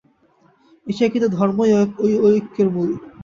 এশিয়ায় কিন্তু ধর্মই ঐ ঐক্যের মূল।